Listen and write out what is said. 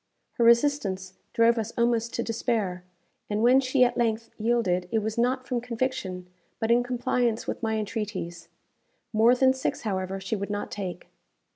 Her resistance drove us almost to despair; and when she at length yielded, it was not from conviction, but in compliance with my entreaties. More than six, however, she would not take.